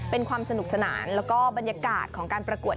เป็นความสนุกสนานแล้วก็บรรยากาศของการประกวด